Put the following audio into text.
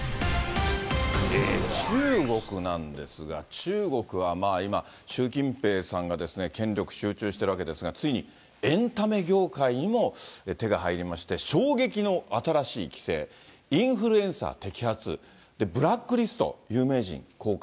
中国なんですが、中国はまあ、今、習近平さんが権力集中しているわけですが、ついにエンタメ業界にも手が入りまして、衝撃の新しい規制、インフルエンサー摘発、ブラックリスト、有名人公開。